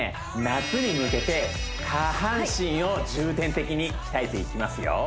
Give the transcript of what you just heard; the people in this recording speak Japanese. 夏に向けて下半身を重点的に鍛えていきますよ